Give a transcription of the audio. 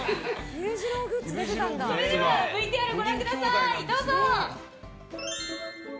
それではＶＴＲご覧ください。